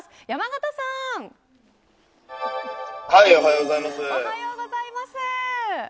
おはようございます。